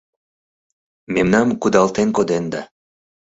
Мемнам кудалтен коденда...